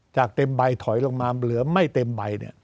เต็มใบถอยลงมาเหลือไม่เต็มใบ